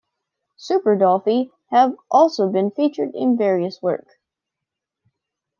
Super Dollfie have also been featured in various work.